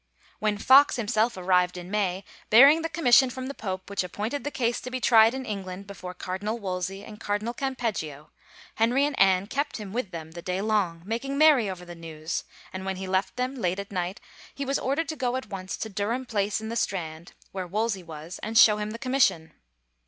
When Foxe himself arrived in May, bearing the com mission from the pope which appointed the case to be tried in England before Cardinal Wolsey and Cardinal 150 THE PESTILENCE Campeggio, Henry and Anne kept him with them the day long, making merry over the news, and when he left them, late at night, he was ordered to go at once to Durham Place in the Strand, where Wolsey was, and show him the commission.